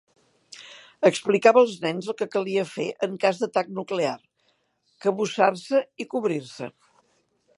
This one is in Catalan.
Explicava als nens el que calia fer en cas d'atac nuclear: cabussar-se i cobrir-se!